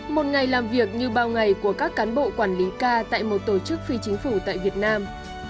một ngày làm việc như bao ngày của các cán bộ quản lý ca tại một tổ chức phi chính phủ tại việt nam